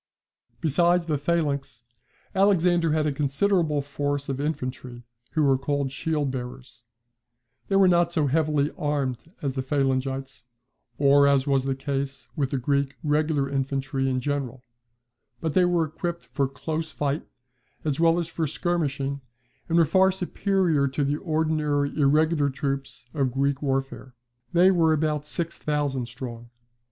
Besides the phalanx, Alexander had a considerable force of infantry who were called shield bearers: they were not so heavily armed as the phalangites, or as was the case with the Greek regular infantry in general; but they were equipped for close fight, as well as for skirmishing, and were far superior to the ordinary irregular troops of Greek warfare. They were about six thousand strong.